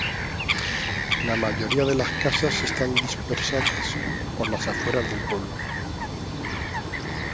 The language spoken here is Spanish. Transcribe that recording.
La mayoría de casas están dispersadas por las afueras del pueblo.